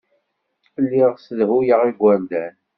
Lliɣ ssedhuyeɣ igerdan.